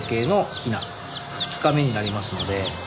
２日目になりますので。